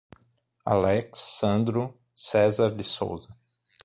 Alex Sandro Cesar de Sousa